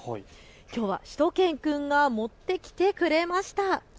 きょうはしゅと犬くんが持ってきてくれました。